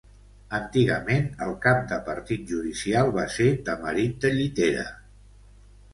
Antigament el cap de partit judicial va ser Tamarit de Llitera.